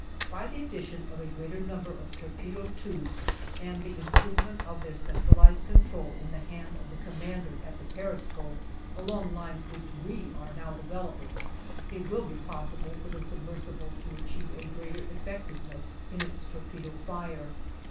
By the addition of a greater number of torpedo tubes, and the improvement of their centralized control in the hand of the commander at the periscope, along lines which we are now developing, it will be possible for the submersible to achieve a greater effectiveness in its torpedo fire.